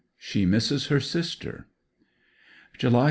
SHE MISSES HER SISTER July 7.